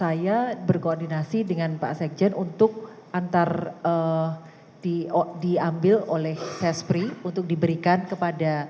saya berkoordinasi dengan pak sekjen untuk antar diambil oleh sespri untuk diberikan kepada